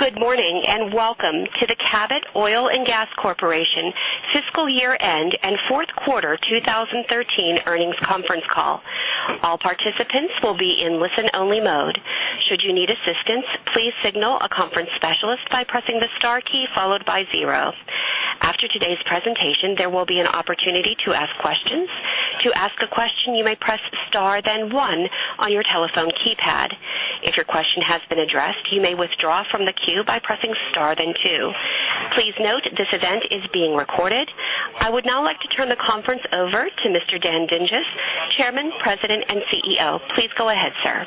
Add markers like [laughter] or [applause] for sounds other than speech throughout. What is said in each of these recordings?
Good morning, and welcome to the Cabot Oil and Gas Corporation fiscal year-end and fourth quarter 2013 earnings conference call. All participants will be in listen-only mode. Should you need assistance, please signal a conference specialist by pressing the star key followed by zero. After today's presentation, there will be an opportunity to ask questions. To ask a question, you may press star then one on your telephone keypad. If your question has been addressed, you may withdraw from the queue by pressing star then two. Please note this event is being recorded. I would now like to turn the conference over to Mr. Dan Dinges, Chairman, President, and CEO. Please go ahead, sir.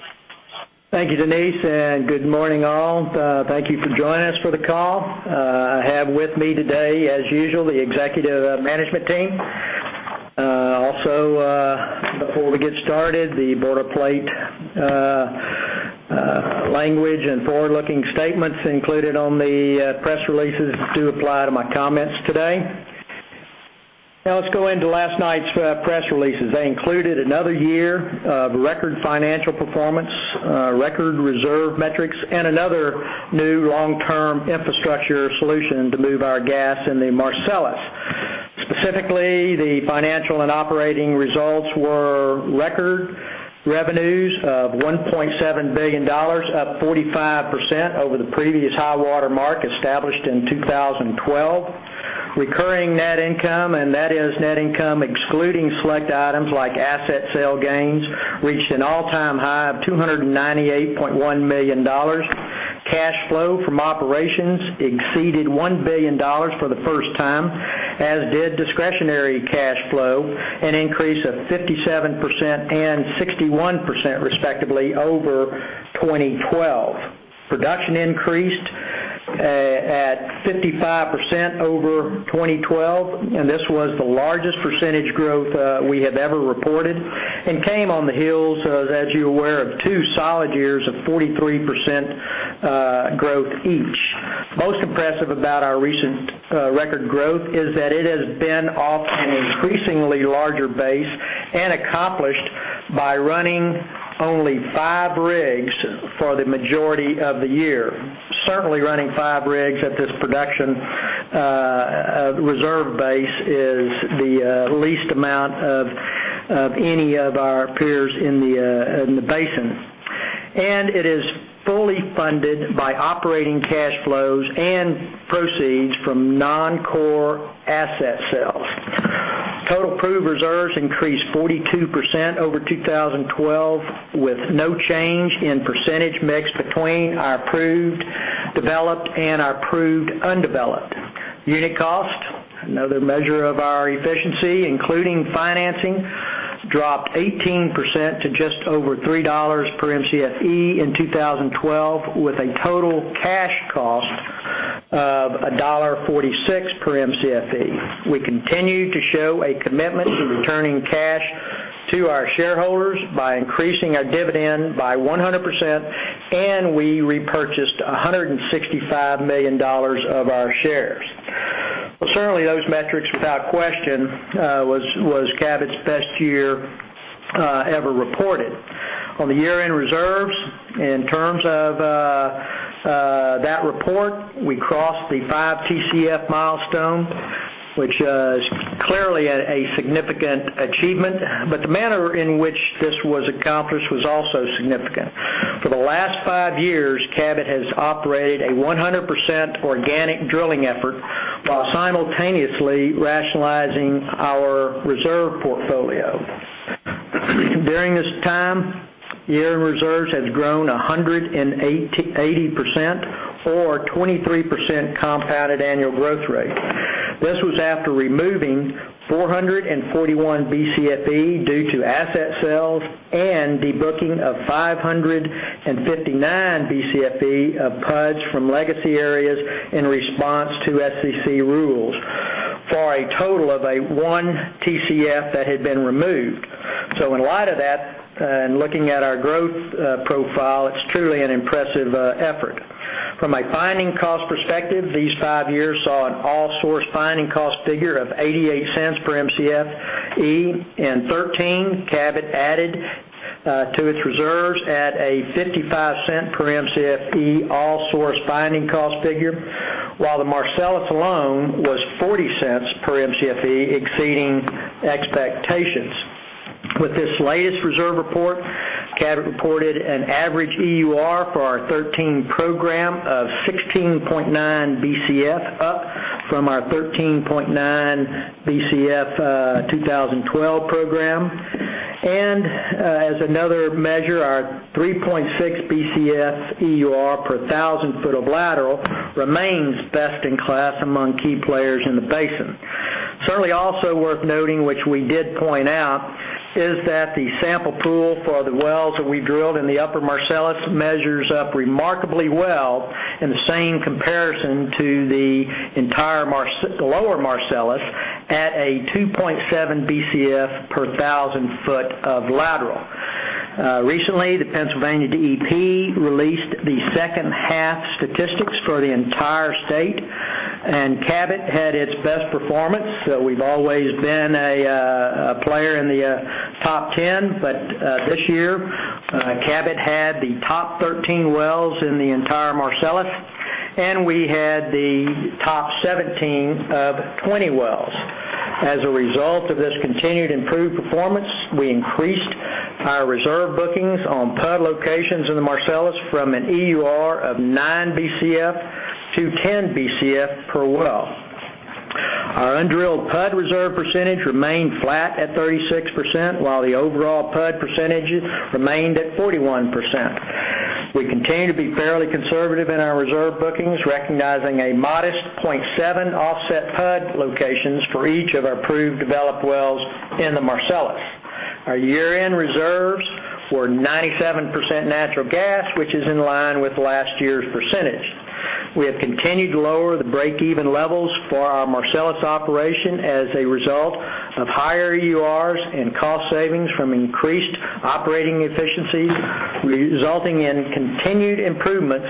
Thank you, Denise, and good morning, all. Thank you for joining us for the call. I have with me today, as usual, the executive management team. Before we get started, the boilerplate language and forward-looking statements included on the press releases do apply to my comments today. Let's go into last night's press releases. They included another year of record financial performance, record reserve metrics, and another new long-term infrastructure solution to move our gas in the Marcellus. Specifically, the financial and operating results were record revenues of $1.7 billion, up 45% over the previous high water mark established in 2012. Recurring net income, and that is net income excluding select items like asset sale gains, reached an all-time high of $298.1 million. Cash flow from operations exceeded $1 billion for the first time, as did discretionary cash flow, an increase of 57% and 61% respectively over 2012. Production increased at 55% over 2012, this was the largest percentage growth we have ever reported and came on the heels of, as you're aware, of two solid years of 43% growth each. Most impressive about our recent record growth is that it has been off an increasingly larger base and accomplished by running only five rigs for the majority of the year. Certainly, running five rigs at this production reserve base is the least amount of any of our peers in the basin. It is fully funded by operating cash flows and proceeds from non-core asset sales. Total Proved Reserves increased 42% over 2012, with no change in percentage mix between our Proved Developed and our Proved Undeveloped. Unit cost, another measure of our efficiency, including financing, dropped 18% to just over $3 per Mcfe in 2012, with a total cash cost of $1.46 per Mcfe. We continue to show a commitment to returning cash to our shareholders by increasing our dividend by 100%, and we repurchased $165 million of our shares. Certainly those metrics, without question, was Cabot's best year ever reported. On the year-end reserves, in terms of that report, we crossed the five Tcf milestone, which is clearly a significant achievement, the manner in which this was accomplished was also significant. For the last five years, Cabot has operated a 100% organic drilling effort while simultaneously rationalizing our reserve portfolio. During this time, year-end reserves has grown 180% or 23% compounded annual growth rate. This was after removing 441 Mcfe due to asset sales and the booking of 559 Mcfe of PUDs from legacy areas in response to SEC rules for a total of a 1 Tcf that had been removed. In light of that, and looking at our growth profile, it's truly an impressive effort. From a finding cost perspective, these five years saw an all source finding cost figure of $0.88 per Mcfe. In 2013, Cabot added to its reserves at a $0.55 per Mcfe all source finding cost figure, while the Marcellus alone was $0.40 per Mcfe, exceeding expectations. With this latest reserve report, Cabot reported an average EUR for our 2013 program of 16.9 Bcf, up from our 13.9 Bcf 2012 program. As another measure, our 3.6 Bcf EUR per 1,000 foot of lateral remains best in class among key players in the basin. Certainly also worth noting, which we did point out, is that the sample pool for the wells that we drilled in the upper Marcellus measures up remarkably well in the same comparison to the entire lower Marcellus at a 2.7 Bcf per 1,000 foot of lateral. Recently, the Pennsylvania DEP released the second half statistics for the entire state. Cabot had its best performance. We've always been a player in the top 10, but this year, Cabot had the top 13 wells in the entire Marcellus, and we had the top 17 of 20 wells. As a result of this continued improved performance, we increased our reserve bookings on PUD locations in the Marcellus from an EUR of nine Bcf to 10 Bcf per well. Our undrilled PUD reserve percentage remained flat at 36%, while the overall PUD percentages remained at 41%. We continue to be fairly conservative in our reserve bookings, recognizing a modest 0.7 offset PUD locations for each of our proved developed wells in the Marcellus. Our year-end reserves were 97% natural gas, which is in line with last year's percentage. We have continued to lower the break-even levels for our Marcellus operation as a result of higher EURs and cost savings from increased operating efficiencies, resulting in continued improvements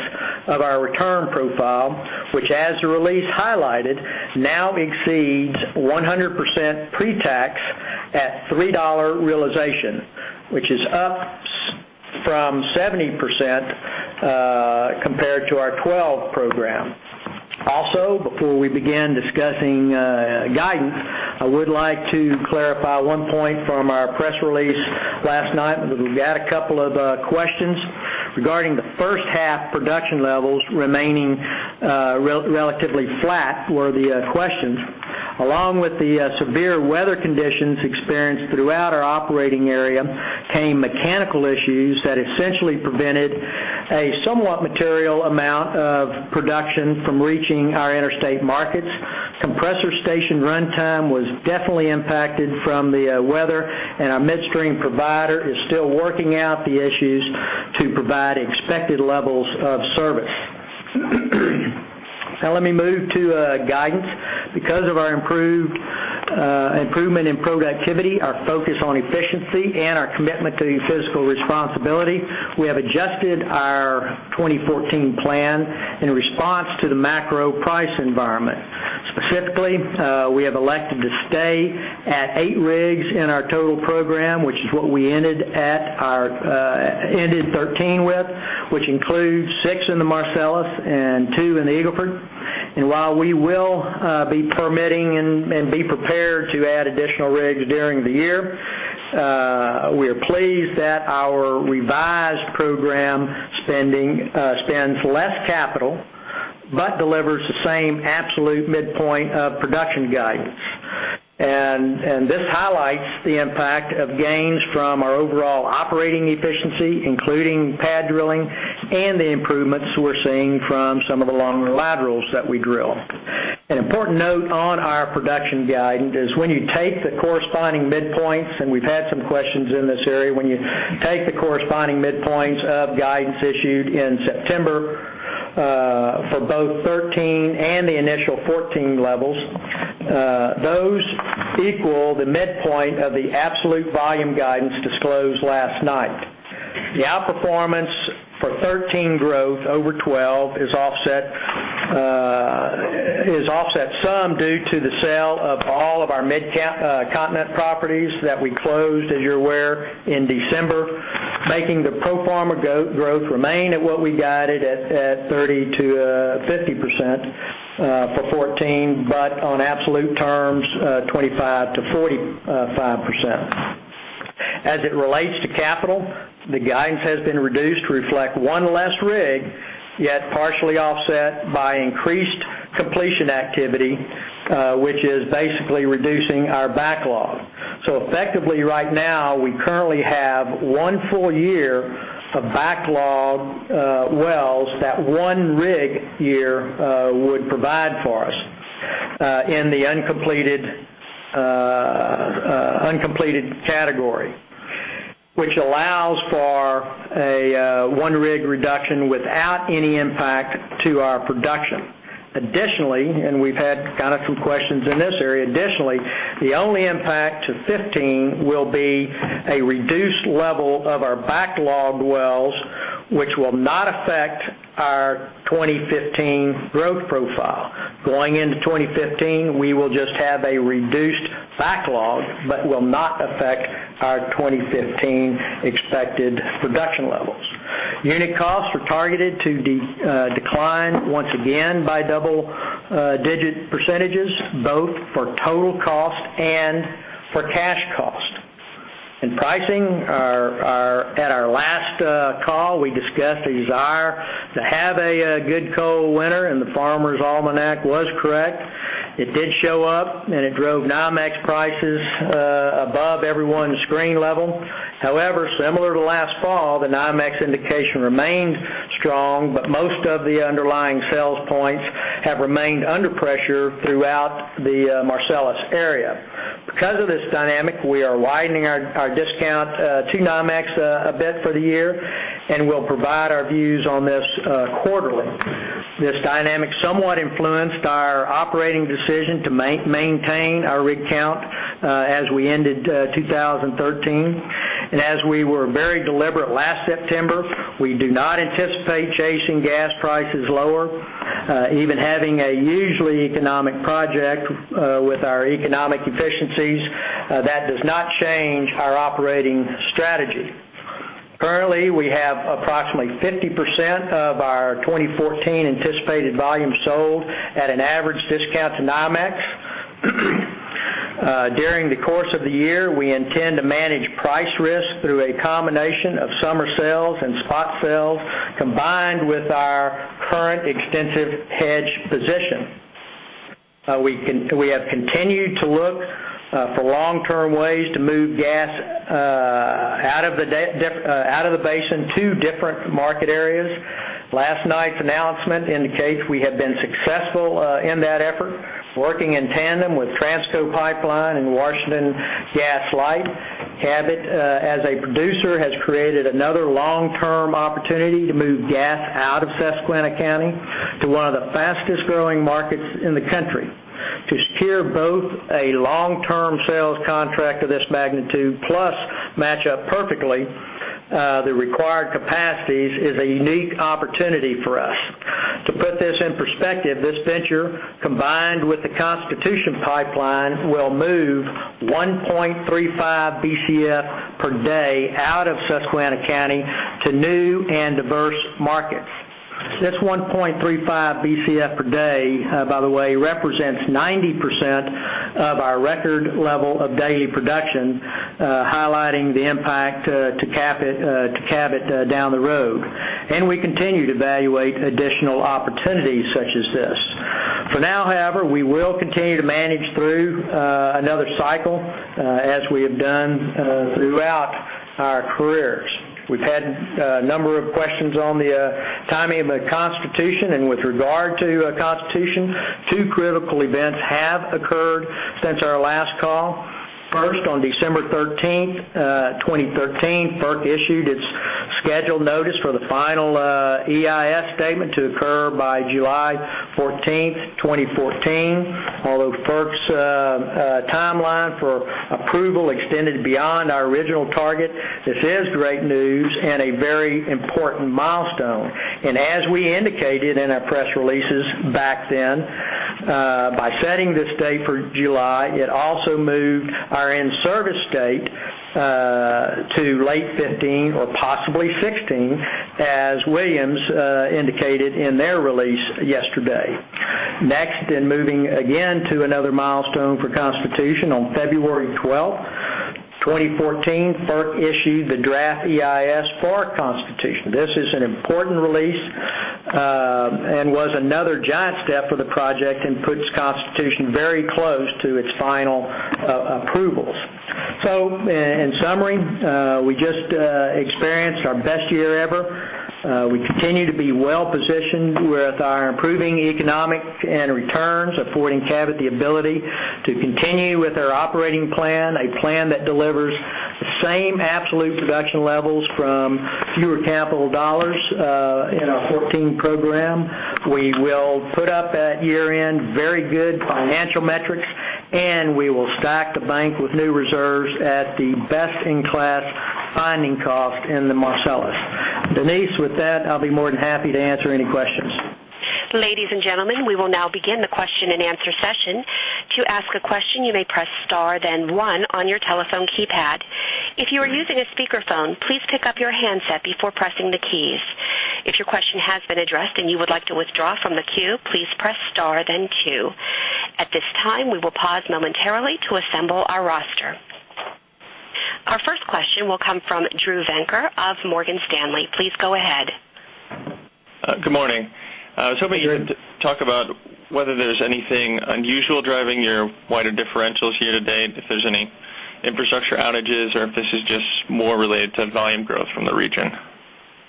of our return profile, which as the release highlighted, now exceeds 100% pretax at $3 realization, which is up from 70% compared to our 2012 program. Also, before we begin discussing guidance, I would like to clarify one point from our press release last night. We've had a couple of questions regarding the first half production levels remaining relatively flat, were the questions. Along with the severe weather conditions experienced throughout our operating area came mechanical issues that essentially prevented a somewhat material amount of production from reaching our interstate markets. Compressor station runtime was definitely impacted from the weather, and our midstream provider is still working out the issues to provide expected levels of service. Let me move to guidance. Because of our improvement in productivity, our focus on efficiency, and our commitment to fiscal responsibility, we have adjusted our 2014 plan in response to the macro price environment. Specifically, we have elected to stay at eight rigs in our total program, which is what we ended 2013 with, which includes six in the Marcellus and two in the Eagle Ford. While we will be permitting and be prepared to add additional rigs during the year, we are pleased that our revised program spends less capital but delivers the same absolute midpoint of production guidance. This highlights the impact of gains from our overall operating efficiency, including pad drilling and the improvements we're seeing from some of the longer laterals that we drill. An important note on our production guidance is when you take the corresponding midpoints, and we've had some questions in this area, when you take the corresponding midpoints of guidance issued in September for both 2013 and the initial 2014 levels, those equal the midpoint of the absolute volume guidance disclosed last night. The outperformance for 2013 growth over 2012 is offset some due to the sale of all of our Midcontinent properties that we closed, as you're aware, in December, making the pro forma growth remain at what we guided at 30%-50% for 2014, but on absolute terms, 25%-45%. As it relates to capital, the guidance has been reduced to reflect one less rig, yet partially offset by increased completion activity, which is basically reducing our backlog. Effectively right now, we currently have one full year of backlog wells that one rig year would provide for us in the uncompleted category, which allows for a one rig reduction without any impact to our production. We've had some questions in this area, additionally, the only impact to 2015 will be a reduced level of our backlogged wells, which will not affect our 2015 growth profile. Going into 2015, we will just have a reduced backlog, but will not affect our 2015 expected production levels. Unit costs are targeted to decline once again by double-digit percentages, both for total cost and for cash cost. In pricing, at our last call, we discussed the desire to have a good cold winter. The Farmer's Almanac was correct. It did show up, and it drove NYMEX prices above everyone's screen level. However, similar to last fall, the NYMEX indication remained strong, but most of the underlying sales points have remained under pressure throughout the Marcellus area. Because of this dynamic, we are widening our discount to NYMEX a bit for the year, and we'll provide our views on this quarterly. This dynamic somewhat influenced our operating decision to maintain our rig count as we ended 2013. As we were very deliberate last September, we do not anticipate chasing gas prices lower. Even having a usually economic project with our economic efficiencies, that does not change our operating strategy. Currently, we have approximately 50% of our 2014 anticipated volume sold at an average discount to NYMEX. During the course of the year, we intend to manage price risk through a combination of summer sales and spot sales, combined with our current extensive hedge position. We have continued to look for long-term ways to move gas out of the basin to different market areas. Last night's announcement indicates we have been successful in that effort, working in tandem with Transco pipeline and Washington Gas Light. Cabot, as a producer, has created another long-term opportunity to move gas out of Susquehanna County to one of the fastest-growing markets in the country. To secure both a long-term sales contract of this magnitude, plus match up perfectly the required capacities, is a unique opportunity for us. To put this in perspective, this venture, combined with the Constitution Pipeline, will move 1.35 Bcf per day out of Susquehanna County to new and diverse markets. This 1.35 Bcf per day, by the way, represents 90% of our record level of daily production, highlighting the impact to Cabot down the road. We continue to evaluate additional opportunities such as this. For now, however, we will continue to manage through another cycle as we have done throughout our careers. We've had a number of questions on the timing of the Constitution. With regard to Constitution, two critical events have occurred since our last call. First, on December 13th, 2013, FERC issued its scheduled notice for the final EIS statement to occur by July 14th, 2014. Although FERC's timeline for approval extended beyond our original target, this is great news and a very important milestone. As we indicated in our press releases back then, by setting this date for July, it also moved our in-service date to late 2015 or possibly 2016, as Williams indicated in their release yesterday. Next, moving again to another milestone for Constitution, on February 12th, 2014, FERC issued the draft EIS for Constitution. This is an important release and was another giant step for the project and puts Constitution very close to its final approvals. In summary, we just experienced our best year ever. We continue to be well-positioned with our improving economics and returns, affording Cabot the ability to continue with our operating plan, a plan that delivers the same absolute production levels from fewer capital dollars in our 2014 program. We will put up at year-end very good financial metrics. We will stack the bank with new reserves at the best-in-class finding cost in the Marcellus. Denise, with that, I'll be more than happy to answer any questions. Ladies and gentlemen, we will now begin the question-and-answer session. To ask a question, you may press star then one on your telephone keypad. If you are using a speakerphone, please pick up your handset before pressing the keys. If your question has been addressed and you would like to withdraw from the queue, please press star then two. At this time, we will pause momentarily to assemble our roster. Our first question will come from Drew Venker of Morgan Stanley. Please go ahead. Good morning. I was hoping you'd talk about whether there's anything unusual driving your wider differentials year-to-date, if there's any infrastructure outages, or if this is just more related to volume growth from the region.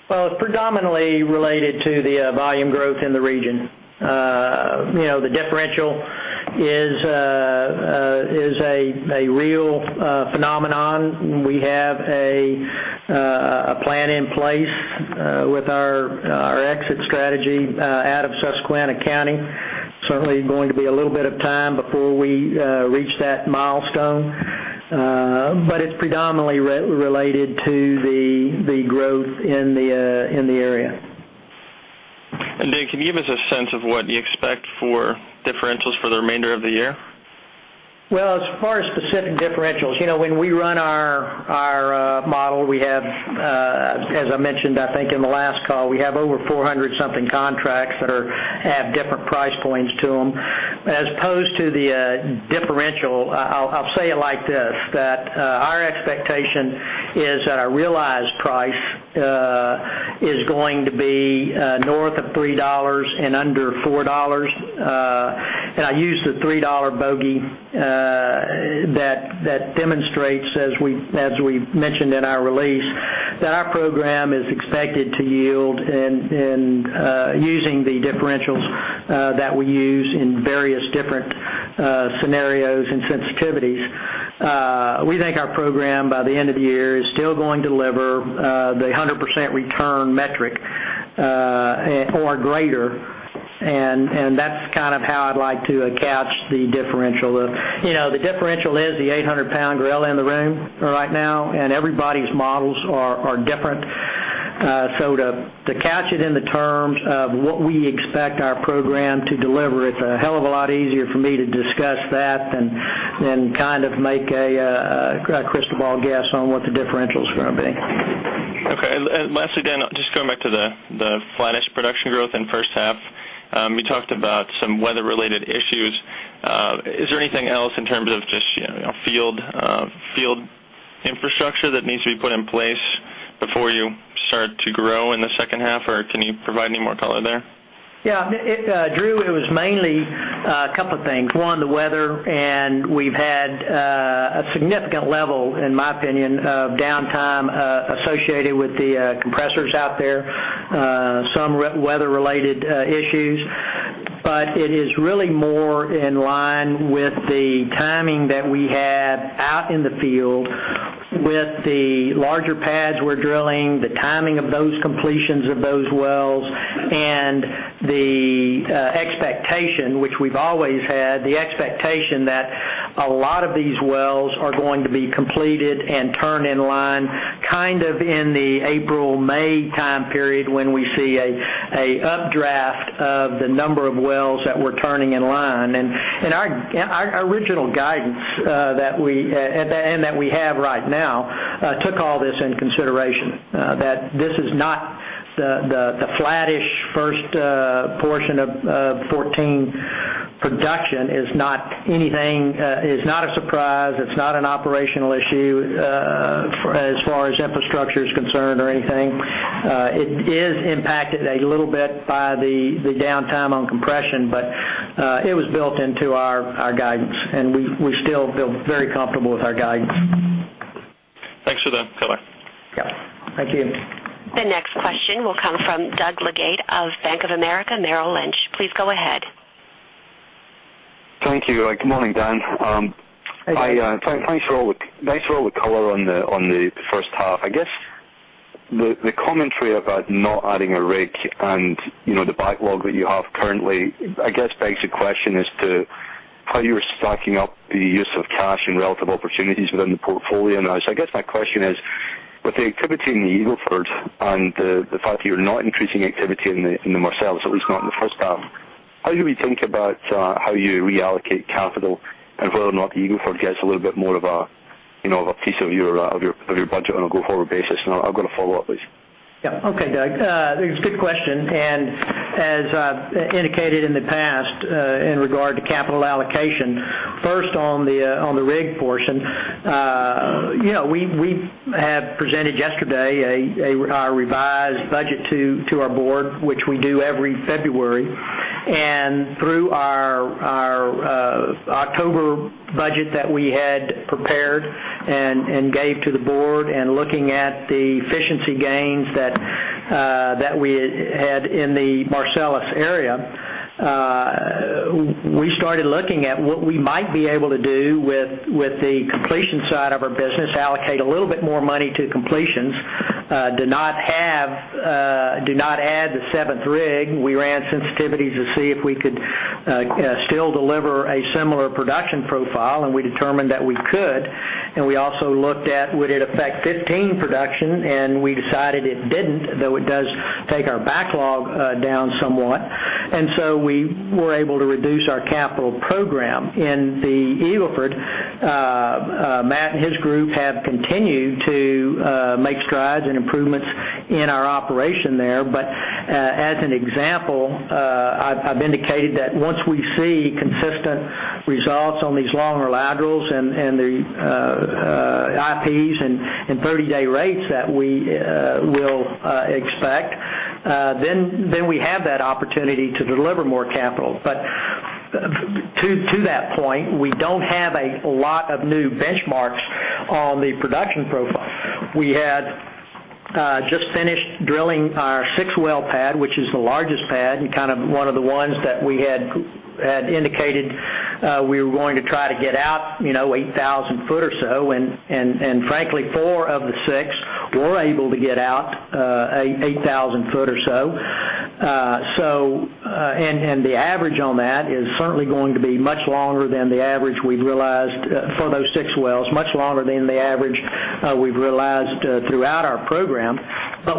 Well, it's predominantly related to the volume growth in the region. The differential is a real phenomenon. We have a plan in place with our exit strategy out of Susquehanna County. Certainly going to be a little bit of time before we reach that milestone, but it's predominantly related to the growth in the area. Can you give us a sense of what you expect for differentials for the remainder of the year? Well, as far as specific differentials, when we run our model, we have, as I mentioned, I think in the last call, we have over 400-something contracts that have different price points to them. As opposed to the differential, I'll say it like this, that our expectation is that our realized price is going to be north of $3 and under $4. I use the $3 bogey that demonstrates, as we mentioned in our release, that our program is expected to yield, and using the differentials that we use in various different scenarios and sensitivities, we think our program by the end of the year is still going to deliver the 100% return metric Or greater, and that's how I'd like to couch the differential. The differential is the 800-pound gorilla in the room right now, and everybody's models are different. To couch it in the terms of what we expect our program to deliver, it's a hell of a lot easier for me to discuss that than make a crystal ball guess on what the differential's going to be. Okay. Lastly, Dan, just going back to the flattish production growth in the first half. You talked about some weather-related issues. Is there anything else in terms of just field infrastructure that needs to be put in place before you start to grow in the second half, or can you provide any more color there? Yeah. Drew, it was mainly a couple of things. One, the weather, and we've had a significant level, in my opinion, of downtime associated with the compressors out there. Some weather-related issues, but it is really more in line with the timing that we had out in the field with the larger pads we're drilling, the timing of those completions of those wells, and the expectation, which we've always had, the expectation that a lot of these wells are going to be completed and turned in line, in the April-May time period, when we see an updraft of the number of wells that we're turning in line. Our original guidance, and that we have right now, took all this into consideration. This is not the flattish first portion of 2014. Production is not a surprise. It's not an operational issue, as far as infrastructure is concerned or anything. It is impacted a little bit by the downtime on compression, but it was built into our guidance, and we still feel very comfortable with our guidance. Thanks for the color. Yeah. Thank you. The next question will come from Doug Leggate of Bank of America Merrill Lynch. Please go ahead. Thank you. Good morning, Dan. Hey, Doug. Thanks for all the color on the first half. I guess the commentary about not adding a rig and the backlog that you have currently, I guess, begs the question as to how you are stacking up the use of cash and relative opportunities within the portfolio now. I guess my question is, with the activity in the Eagle Ford and the fact that you're not increasing activity in the Marcellus, at least not in the first half, how do we think about how you reallocate capital and whether or not the Eagle Ford gets a little bit more of a piece of your budget on a go-forward basis? I've got a follow-up, please. Yeah. Okay, Doug. It's a good question, and as I've indicated in the past, in regard to capital allocation, first on the rig portion. We had presented yesterday our revised budget to our board, which we do every February. Through our October budget that we had prepared and gave to the board and looking at the efficiency gains that we had in the Marcellus area, we started looking at what we might be able to do with the completion side of our business, allocate a little bit more money to completions. Do not add the seventh rig. We ran sensitivities to see if we could still deliver a similar production profile, and we determined that we could. We also looked at would it affect 2015 production, and we decided it didn't, though it does take our backlog down somewhat. We were able to reduce our capital program. In the Eagle Ford, Matt and his group have continued to make strides and improvements in our operation there. As an example, I've indicated that once we see consistent results on these longer laterals and the IPs and 30-day rates that we will expect, then we have that opportunity to deliver more capital. To that point, we don't have a lot of new benchmarks on the production profile. We had just finished drilling our six-well pad, which is the largest pad and one of the ones that we had indicated we were going to try to get out 8,000 foot or so. Frankly, four of the six were able to get out 8,000 foot or so. The average on that is certainly going to be much longer than the average we've realized for those six wells, much longer than the average we've realized throughout our program,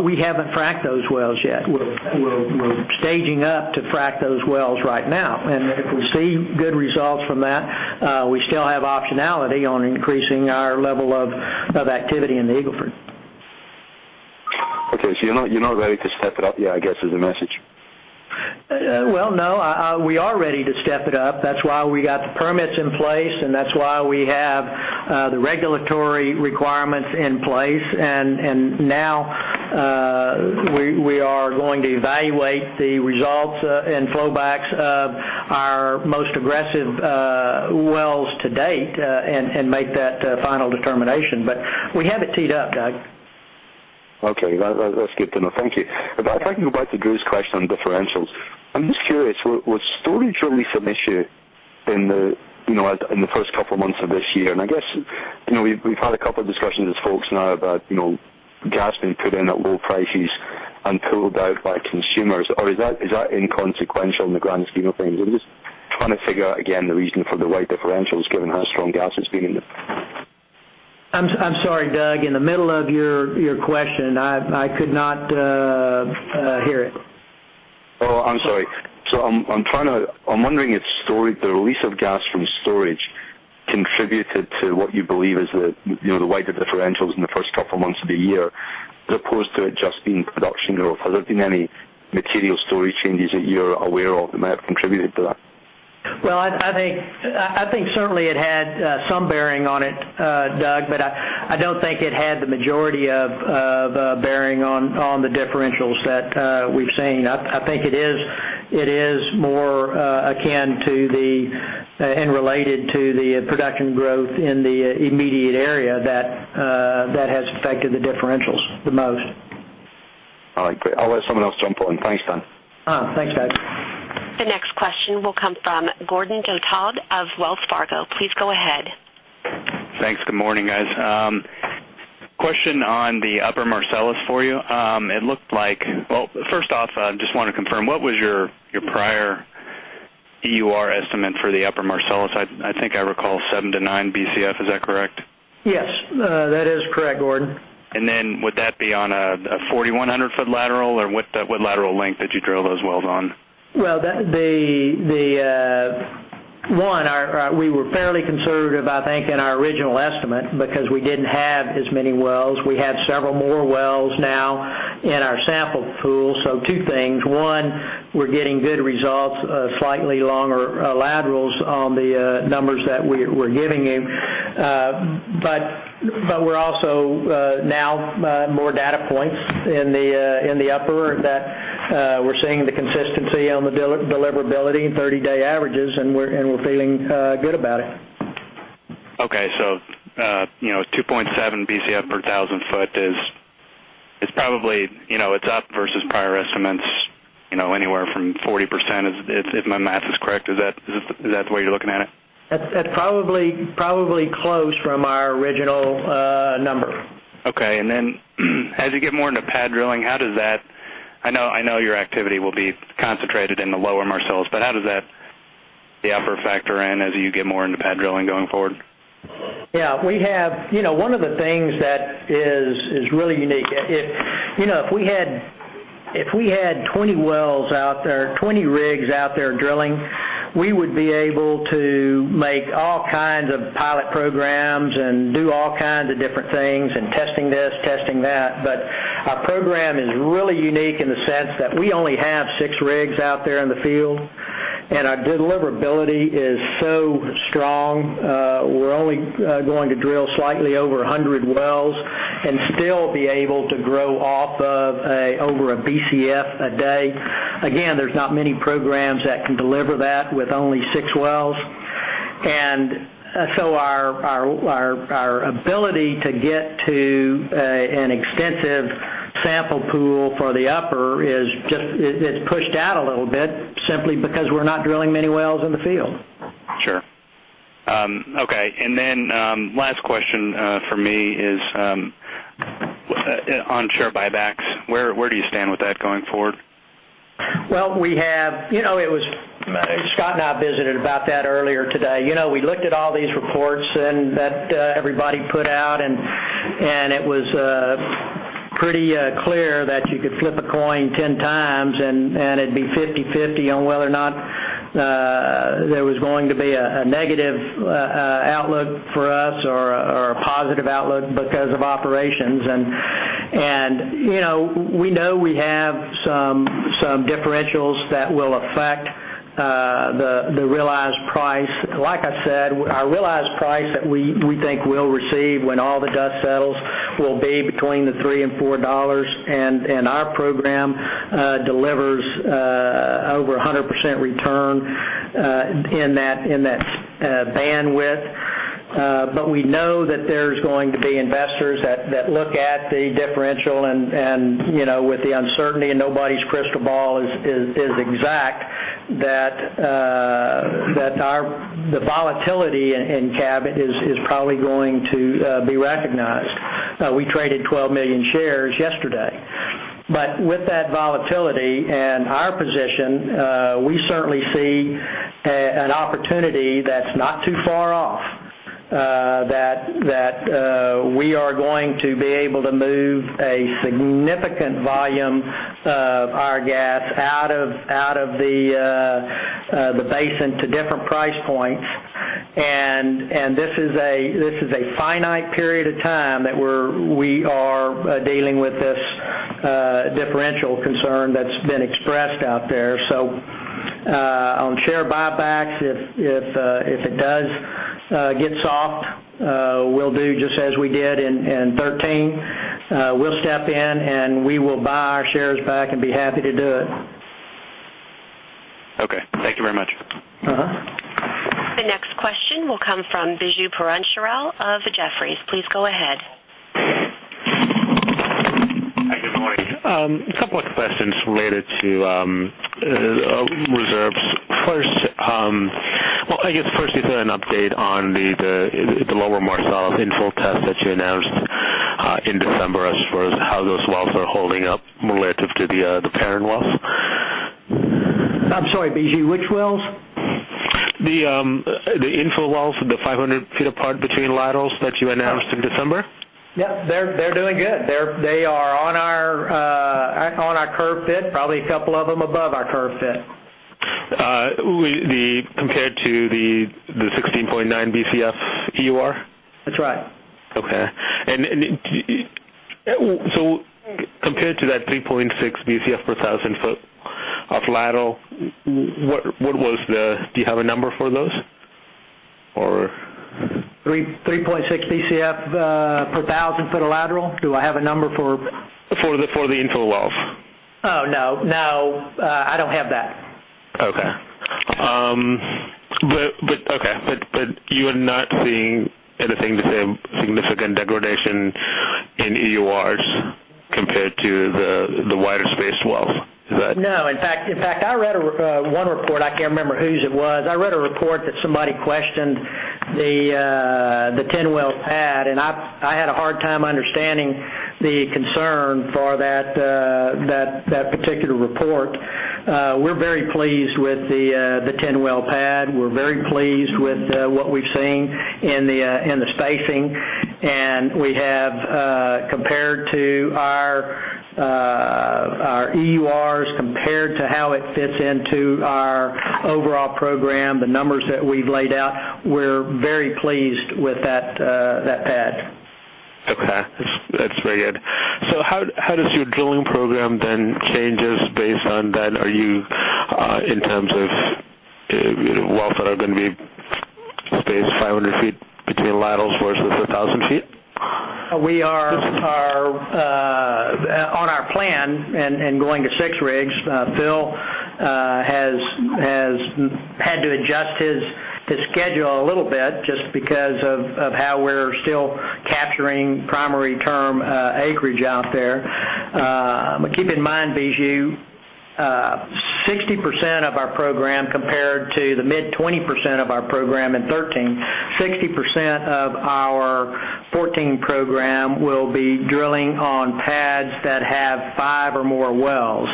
we haven't fracked those wells yet. We're staging up to frack those wells right now. If we see good results from that, we still have optionality on increasing our level of activity in the Eagle Ford. Okay. You're not ready to step it up yet, I guess, is the message. Well, no. We are ready to step it up. That's why we got the permits in place, and that's why we have the regulatory requirements in place. Now we are going to evaluate the results and flow backs of our most aggressive wells to date and make that final determination. We have it teed up, Doug. Okay. That's good to know. Thank you. If I can go back to Drew's question on differentials. I'm just curious, was storage really some issue in the first couple of months of this year, I guess we've had a couple of discussions with folks now about gas being put in at low prices and pulled out by consumers, or is that inconsequential in the grand scheme of things? I'm just trying to figure out again the reason for the wide differentials given how strong gas has been. I'm sorry, Doug, in the middle of your question, I could not hear it. Oh, I'm sorry. I'm wondering if the release of gas from storage contributed to what you believe is the wider differentials in the first couple of months of the year, as opposed to it just being production growth. Has there been any material storage changes that you're aware of that may have contributed to that? Well, I think certainly it had some bearing on it, Doug, I don't think it had the majority of bearing on the differentials that we've seen. I think it is more akin to and related to the production growth in the immediate area that has affected the differentials the most. All right. I'll let someone else jump on. Thanks, Dan. Thanks, Doug. The next question will come from Gordon Douthat of Wells Fargo. Please go ahead. Thanks. Good morning, guys. Question on the Upper Marcellus for you. Well, first off, just want to confirm, what was your prior EUR estimate for the Upper Marcellus? I think I recall 7 Bcf-9 Bcf, is that correct? Yes, that is correct, Gordon. Would that be on a 4,100-foot lateral, or what lateral length did you drill those wells on? Well, one, we were fairly conservative, I think, in our original estimate because we didn't have as many wells. We have several more wells now in our sample pool. Two things. One, we're getting good results, slightly longer laterals on the numbers that we're giving you. We're also now more data points in the upper that we're seeing the consistency on the deliverability and 30-day averages, and we're feeling good about it. Okay. 2.7 Bcf per 1,000 foot is up versus prior estimates, anywhere from 40%, if my math is correct. Is that the way you're looking at it? That's probably close from our original number. Okay. As you get more into pad drilling, I know your activity will be concentrated in the lower Marcellus, but how does that, the upper factor in as you get more into pad drilling going forward? Yeah. One of the things that is really unique, if we had 20 wells out there, 20 rigs out there drilling, we would be able to make all kinds of pilot programs and do all kinds of different things and testing this, testing that. Our program is really unique in the sense that we only have six rigs out there in the field, and our deliverability is so strong. We're only going to drill slightly over 100 wells and still be able to grow off of over a Bcf a day. Again, there's not many programs that can deliver that with only six wells. Our ability to get to an extensive sample pool for the upper is pushed out a little bit simply because we're not drilling many wells in the field. Sure. Okay. Last question from me is on share buybacks. Where do you stand with that going forward? Well, Scott and I visited about that earlier today. We looked at all these reports that everybody put out, and it was pretty clear that you could flip a coin 10 times and it'd be 50/50 on whether or not there was going to be a negative outlook for us or a positive outlook because of operations. We know we have some differentials that will affect the realized price. Like I said, our realized price that we think we'll receive when all the dust settles will be between $3 and $4, and our program delivers over 100% return in that bandwidth. We know that there's going to be investors that look at the differential and with the uncertainty, and nobody's crystal ball is exact, that the volatility in Cab is probably going to be recognized. We traded 12 million shares yesterday. With that volatility and our position, we certainly see an opportunity that is not too far off, that we are going to be able to move a significant volume of our gas out of the basin to different price points. This is a finite period of time that we are dealing with this differential concern that has been expressed out there. On share buybacks, if it does get soft, we will do just as we did in 2013. We will step in, and we will buy our shares back and be happy to do it. Thank you very much. The next question will come from Biju Perincheril of Jefferies. Please go ahead. A couple of questions related to reserves. I guess firstly, an update on the Lower Marcellus infill test that you announced in December as far as how those wells are holding up relative to the parent wells. I'm sorry, Biju, which wells? The infill wells, the 500 feet apart between laterals that you announced in December. Yep. They're doing good. They are on our curve fit, probably a couple of them above our curve fit. Compared to the 16.9 Bcf EUR? That's right. Okay. Compared to that 3.6 Bcf per 1,000 foot of lateral, do you have a number for those? 3.6 Bcf per 1,000 foot of lateral? Do I have a number for? For the infill wells. Oh, no. I don't have that. Okay. You're not seeing anything to say significant degradation in EURs compared to the wider spaced wells? Is that? No. In fact, I read one report, I can't remember whose it was. I read a report that somebody questioned the 10-well pad, and I had a hard time understanding the concern for that particular report. We're very pleased with the 10-well PUD. We're very pleased with what we've seen in the spacing, and we have compared to our EURs, compared to how it fits into our overall program, the numbers that we've laid out, we're very pleased with that pad. Okay. That's very good. How does your drilling program then changes based on, in terms of wells that are going to be spaced 500 feet between laterals versus 1,000 feet? We are on our plan and going to 6 rigs. Phil has had to adjust his schedule a little bit just because of how we're still capturing primary term acreage out there. Keep in mind, Biju, 60% of our program, compared to the mid-20% of our program in 2013, 60% of our 2014 program will be drilling on pads that have five or more wells.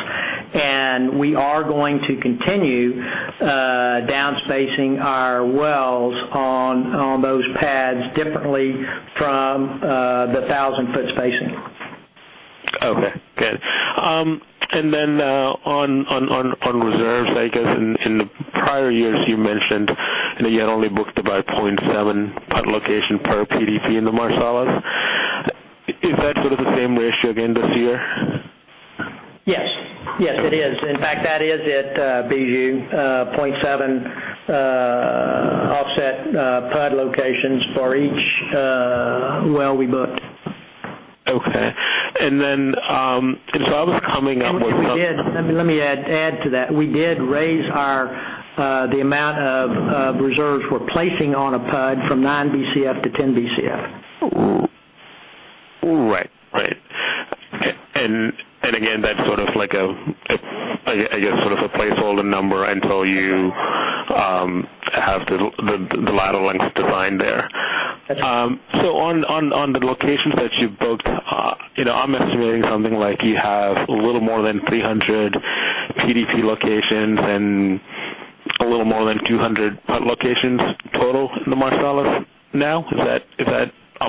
We are going to continue down spacing our wells on those pads differently from the 1,000-foot spacing. Okay, good. On reserves, I guess in the prior years you mentioned that you had only booked about 0.7 PUD location per PDP in the Marcellus. Is that sort of the same ratio again this year? Yes. It is. In fact, that is it, Biju, 0.7 offset PUD locations for each well we booked. Okay. I was coming up with. Let me add to that. We did raise the amount of reserves we're placing on a PUD from nine Bcf to 10 Bcf. Again, that's sort of a placeholder number until you have the lateral lengths designed there. That's right. On the locations that you've booked, I'm estimating something like you have a little more than 300 PDP locations and a little more than 200 pad locations total in the Marcellus now. Am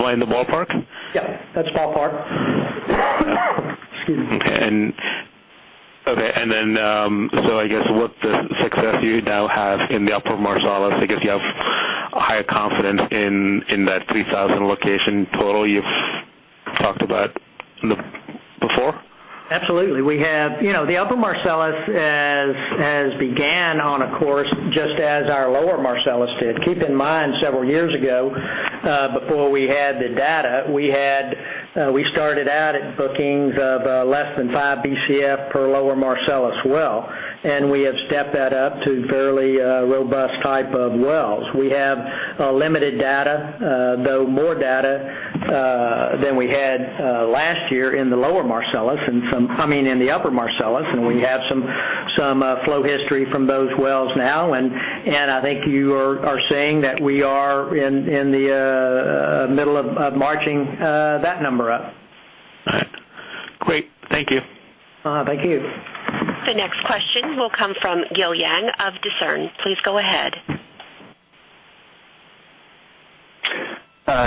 I in the ballpark? Yep, that's ballpark. Excuse me. Okay. I guess with the success you now have in the Upper Marcellus, I guess you have a higher confidence in that 3,000 location total you've talked about before? Absolutely. The Upper Marcellus has began on a course just as our Lower Marcellus did. Keep in mind, several years ago, before we had the data, we started out at bookings of less than five Bcf per Lower Marcellus well, we have stepped that up to fairly robust type of wells. We have limited data, though more data than we had last year in the Upper Marcellus, we have some flow history from those wells now. I think you are saying that we are in the middle of marching that number up. All right. Great. Thank you. Thank you. The next question will come from Gil Yang of Discern. Please go ahead.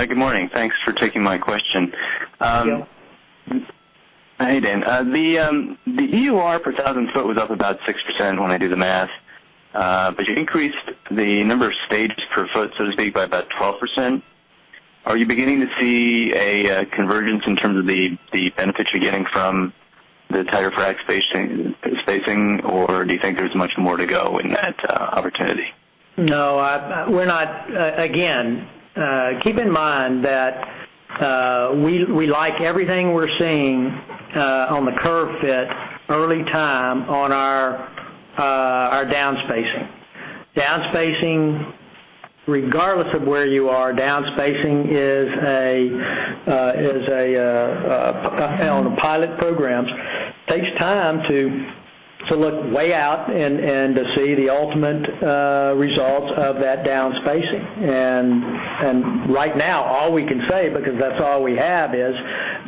Good morning. Thanks for taking my question. Gil. Hey, Dan. The EUR per 1,000 foot was up about 6% when I do the math. You increased the number of stages per foot, so to speak, by about 12%. Are you beginning to see a convergence in terms of the benefits you're getting from the tighter frac spacing, or do you think there's much more to go in that opportunity? No, we're not. Again, keep in mind that we like everything we're seeing on the curve fit early time on our downspacing. Downspacing, regardless of where you are, downspacing on the pilot programs takes time to look way out and to see the ultimate results of that downspacing. Right now, all we can say, because that's all we have, is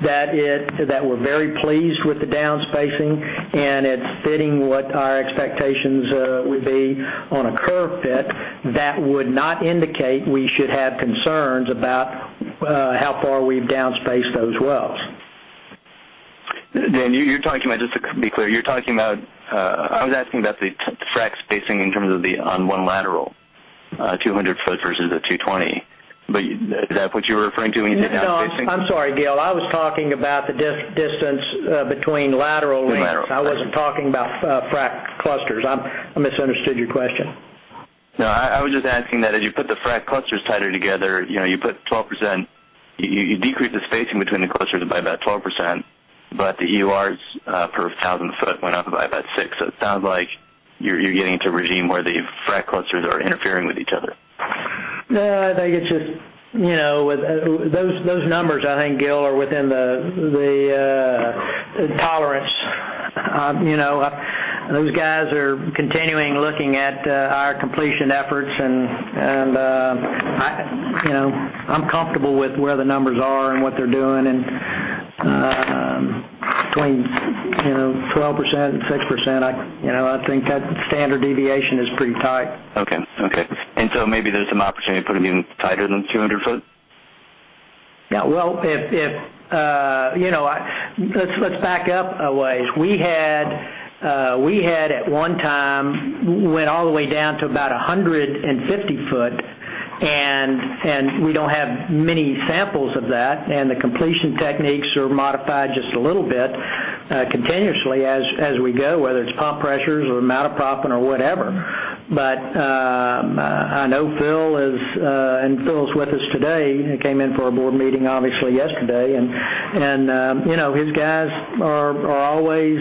that we're very pleased with the downspacing, and it's fitting what our expectations would be on a curve fit that would not indicate we should have concerns about how far we've downspaced those wells. Dan, just to be clear, I was asking about the frack spacing in terms of on one lateral, 200-foot versus a 220. Is that what you were referring to when you said downspacing? No, I'm sorry, Gil. I was talking about the distance between lateral lengths. Between lateral lengths. I wasn't talking about frack clusters. I misunderstood your question. I was just asking that as you put the frack clusters tighter together, you decrease the spacing between the clusters by about 12%, but the EURs per 1,000 foot went up by about six. It sounds like you're getting into a regime where the frack clusters are interfering with each other. No, those numbers, I think, Gil, are within the tolerance. Those guys are continuing looking at our completion efforts, and I'm comfortable with where the numbers are and what they're doing. Between 12% and 6%, I think that standard deviation is pretty tight. Okay. Maybe there's some opportunity to put them even tighter than 200 foot? Yeah. Let's back up a ways. We had, at one time, went all the way down to about 150 feet. We don't have many samples of that. The completion techniques are modified just a little bit continuously as we go, whether it's pump pressures or amount of proppant or whatever. I know Phil is with us today. He came in for a board meeting, obviously, yesterday, and his guys are always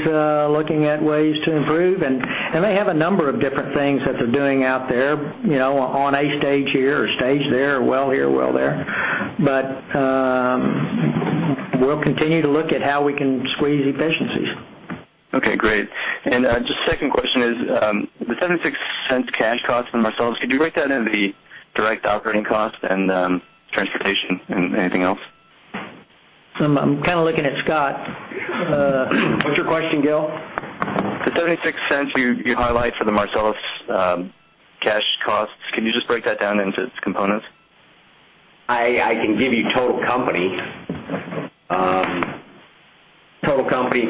looking at ways to improve, and they have a number of different things that they're doing out there on a stage here or stage there, or well here or well there. We'll continue to look at how we can squeeze efficiencies. Okay, great. Just second question is, the $0.76 cash cost for Marcellus, could you break that into the direct operating cost and transportation and anything else? I'm looking at Scott. What's your question, Gil? The $0.76 you highlight for the Marcellus cash costs, can you just break that down into its components? I can give you total company. Total company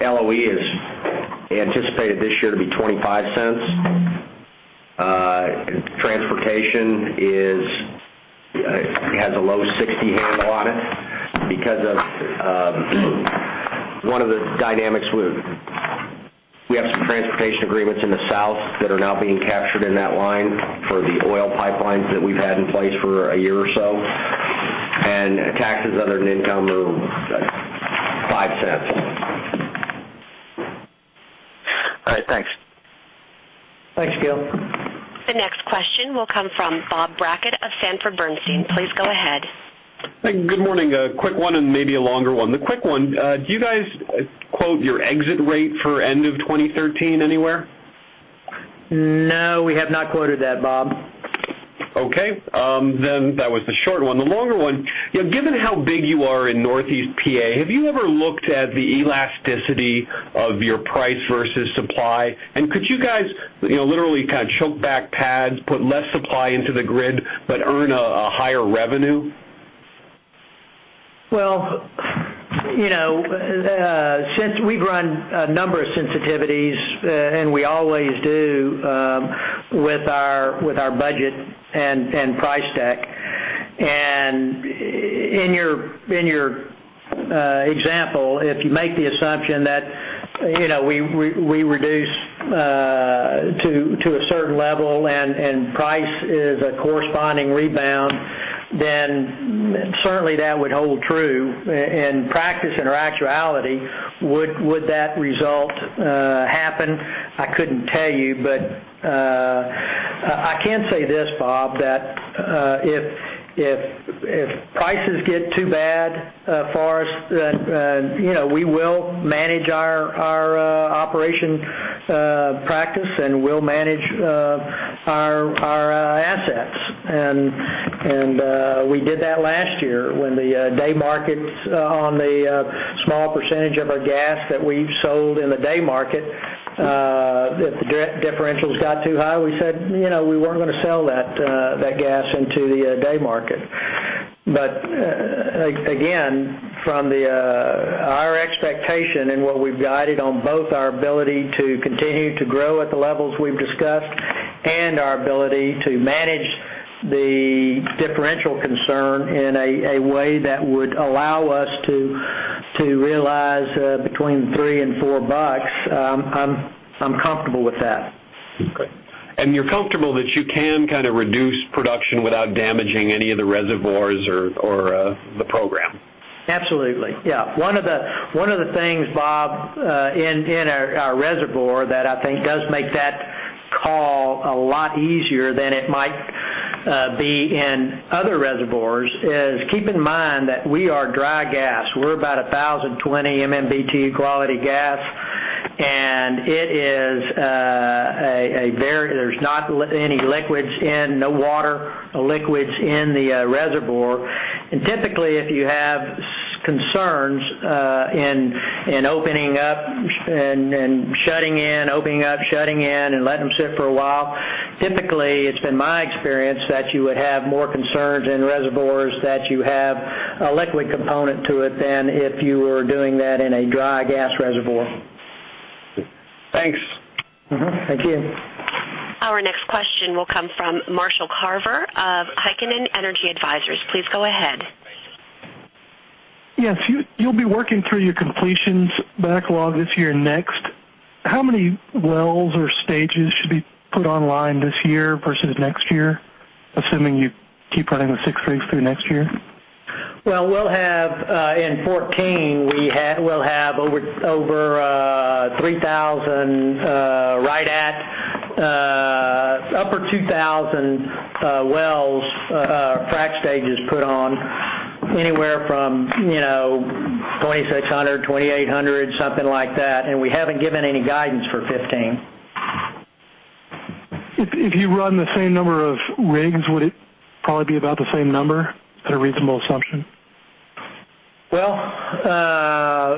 LOE is anticipated this year to be $0.25. Transportation has a low $0.60 handle on it because of one of the dynamics. We have some transportation agreements in the south that are now being captured in that line for the oil pipelines that we've had in place for a year or so, and tax is, [inaudible] $0.5. All right, thanks. Thanks, Gil. The next question will come from Bob Brackett of Sanford Bernstein. Please go ahead. Good morning. A quick one and maybe a longer one. The quick one, do you guys quote your exit rate for end of 2013 anywhere? No, we have not quoted that, Bob. Okay. That was the short one. The longer one, given how big you are in northeast P.A., have you ever looked at the elasticity of your price versus supply? Could you guys literally choke back pads, put less supply into the grid, but earn a higher revenue? Well, since we've run a number of sensitivities, we always do with our budget and price deck. In your example, if you make the assumption that we reduce to a certain level and price is a corresponding rebound, certainly that would hold true. In practice, in our actuality, would that result happen? I couldn't tell you. I can say this, Bob, that if prices get too bad for us, we will manage our operation practice, and we'll manage our assets. We did that last year when the day markets on the small percentage of our gas that we sold in the day market, if the differentials got too high, we said we weren't going to sell that gas into the day market. Again, from our expectation and what we've guided on both our ability to continue to grow at the levels we've discussed and our ability to manage the differential concern in a way that would allow us to realize between $3-$4, I'm comfortable with that. Okay. You're comfortable that you can reduce production without damaging any of the reservoirs or the program? Absolutely. Yeah. One of the things, Bob, in our reservoir that I think does make that call a lot easier than it might be in other reservoirs is, keep in mind that we are dry gas. We're about 1,020 MMBtu quality gas, and there's not any liquids in, no water, no liquids in the reservoir. Typically, if you have concerns in opening up and shutting in, opening up, shutting in, and letting them sit for a while, typically, it's been my experience that you would have more concerns in reservoirs that you have a liquid component to it than if you were doing that in a dry gas reservoir. Thanks. Mm-hmm. Thank you. Our next question will come from Marshall Carver of Heikkinen Energy Advisors. Please go ahead. Yes. You'll be working through your completions backlog this year next. How many wells or stages should be put online this year versus next year, assuming you keep running the 6 rigs through next year? Well, in 2014, we'll have over 3,000, right at upper 2,000 wells, frack stages put on. Anywhere from 2,600, 2,800, something like that. We haven't given any guidance for 2015. If you run the same number of rigs, would it probably be about the same number? Is that a reasonable assumption? Well,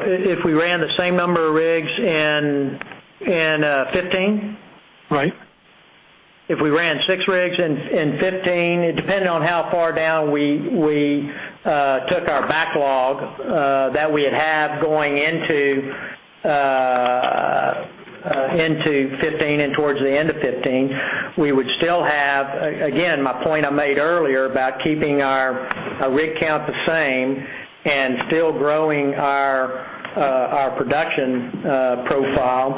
if we ran the same number of rigs in 2015? Right. If we ran six rigs in 2015, it depended on how far down we took our backlog that we'd have going into 2015 and towards the end of 2015, we would still have. Again, my point I made earlier about keeping our rig count the same and still growing our production profile.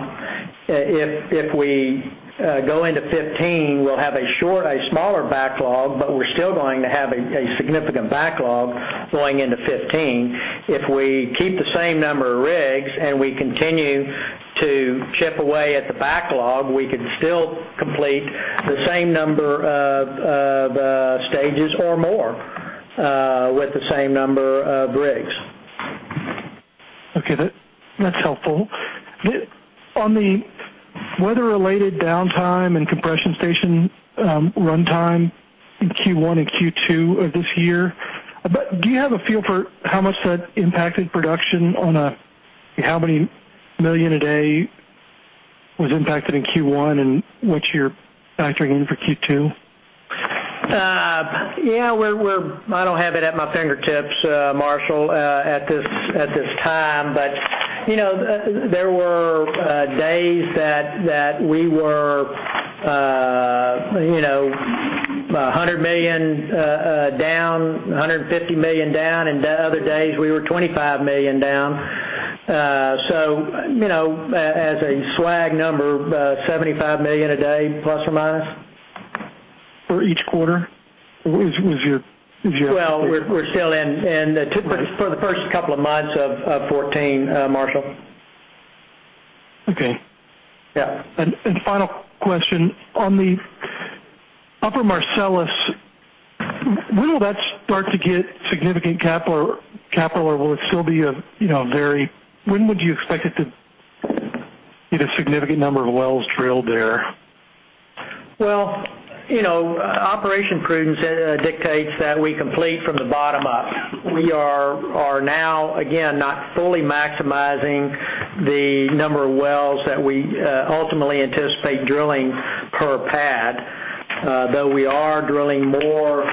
If we go into 2015, we'll have a smaller backlog, but we're still going to have a significant backlog going into 2015. If we keep the same number of rigs and we continue to chip away at the backlog, we could still complete the same number of stages or more with the same number of rigs. Okay. That's helpful. On the weather-related downtime and compression station runtime in Q1 and Q2 of this year, do you have a feel for how much that impacted production, how many million a day was impacted in Q1, and what you're factoring in for Q2? Yeah. I don't have it at my fingertips, Marshall, at this time. There were days that we were $100 million down, $150 million down, and the other days we were $25 million down. As a swag number, $75 million a day, ±. For each quarter? Well, we're still in the tip for the first couple of months of 2014, Marshall. Okay. Yeah. Final question. On the Upper Marcellus, when will that start to get significant capital, or will it still be a When would you expect it to get a significant number of wells drilled there? Well, operation prudence dictates that we complete from the bottom up. We are now, again, not fully maximizing the number of wells that we ultimately anticipate drilling per pad. Though we are drilling more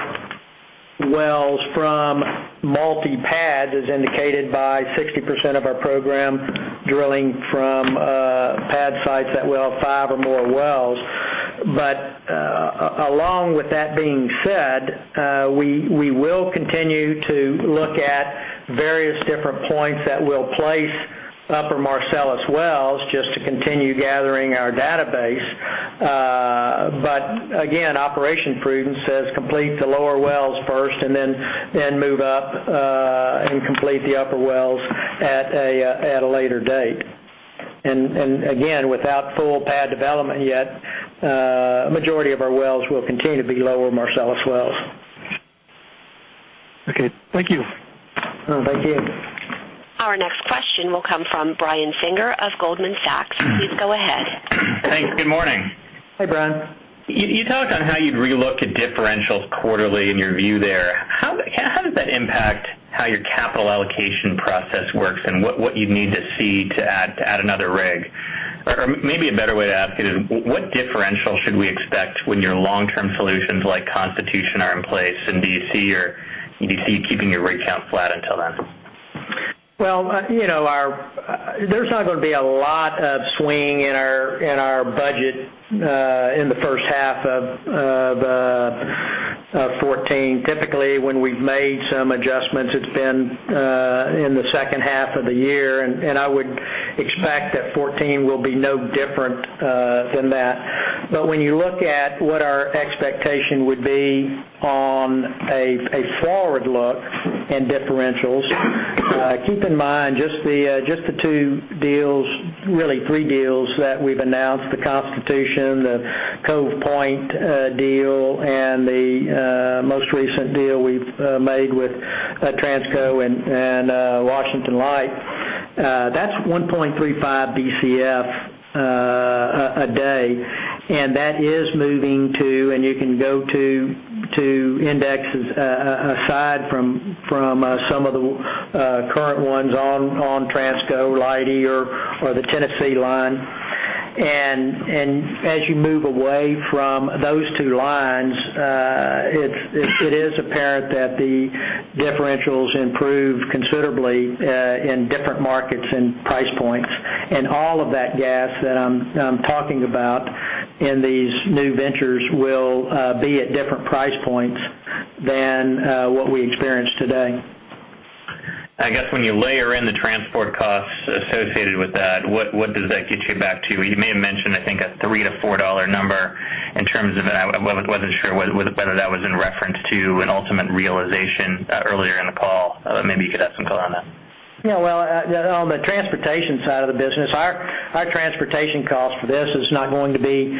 wells from multi-pads, as indicated by 60% of our program drilling from pad sites that well five or more wells. Along with that being said, we will continue to look at various different points that we'll place Upper Marcellus wells just to continue gathering our database. Again, operation prudence says complete the lower wells first, then move up, and complete the upper wells at a later date. Again, without full pad development yet, majority of our wells will continue to be lower Marcellus wells. Okay. Thank you. Thank you. Our next question will come from Brian Singer of Goldman Sachs. Please go ahead. Thanks. Good morning. Hey, Brian. You talked on how you'd re-look at differentials quarterly in your view there. How does that impact how your capital allocation process works and what you'd need to see to add another rig? Or maybe a better way to ask it is, what differential should we expect when your long-term solutions, like Constitution, are in place? Do you see keeping your rig count flat until then? Well, there's not going to be a lot of swing in our budget in the first half of 2014. Typically, when we've made some adjustments, it's been in the second half of the year. I would expect that 2014 will be no different than that. When you look at what our expectation would be on a forward look. Differentials. Keep in mind, just the two deals, really three deals that we've announced, the Constitution, the Cove Point deal, and the most recent deal we've made with Transco and Washington Light. That's 1.35 Bcf a day. That is moving to, and you can go to indexes aside from some of the current ones on Transco, Leidy or the Tennessee line. As you move away from those two lines, it is apparent that the differentials improve considerably, in different markets and price points. All of that gas that I'm talking about in these new ventures will be at different price points than what we experience today. I guess when you layer in the transport costs associated with that, what does that get you back to? You may have mentioned, I think, a $3-$4 number in terms of it. I wasn't sure whether that was in reference to an ultimate realization earlier in the call. Maybe you could add some color on that. Yeah. Well, on the transportation side of the business, our transportation cost for this is not going to be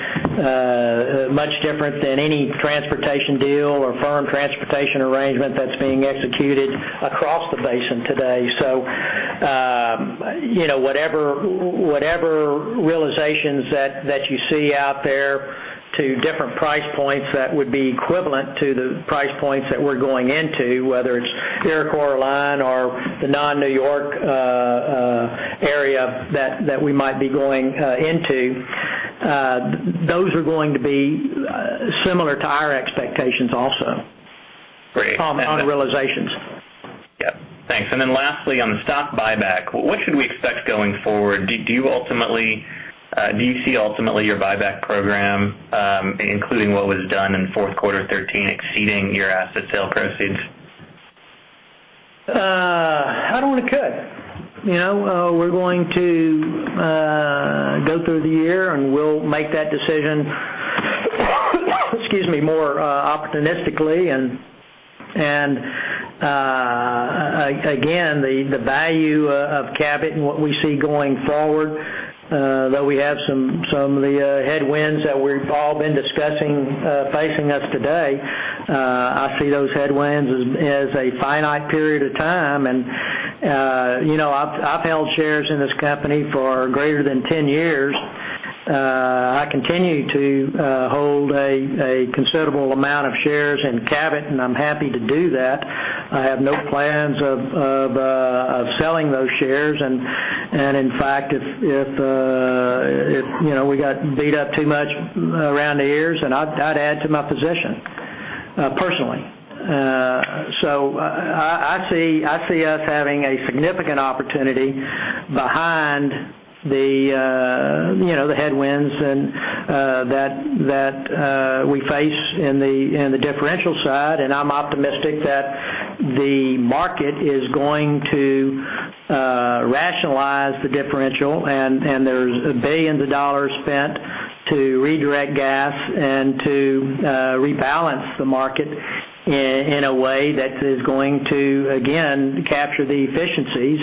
much different than any transportation deal or firm transportation arrangement that's being executed across the basin today. Whatever realizations that you see out there to different price points, that would be equivalent to the price points that we're going into, whether it's Iroquois line or the non-New York area that we might be going into. Those are going to be similar to our expectations also- Great on realizations. Yep. Thanks. Lastly, on the stock buyback, what should we expect going forward? Do you see ultimately your buyback program, including what was done in fourth quarter 2013 exceeding your asset sale proceeds? I don't want to cut. We're going to go through the year, we'll make that decision excuse me, more opportunistically. Again, the value of Cabot and what we see going forward, though we have some of the headwinds that we've all been discussing facing us today. I see those headwinds as a finite period of time. I've held shares in this company for greater than 10 years. I continue to hold a considerable amount of shares in Cabot, and I'm happy to do that. I have no plans of selling those shares. In fact, if we got beat up too much around the ears, I'd add to my position, personally. I see us having a significant opportunity behind the headwinds and that we face in the differential side. I'm optimistic that the market is going to rationalize the differential. There's billions of dollars spent to redirect gas and to rebalance the market in a way that is going to, again, capture the efficiencies.